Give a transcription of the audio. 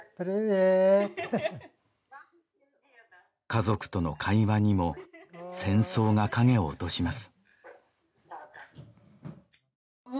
家族との会話にも戦争が影を落とします